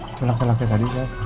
itu laki laki tadi